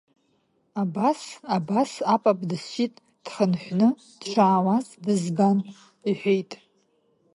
Абас, абас, апап дысшьит дхынҳәны дшаауаз дызбан, — иҳәеит.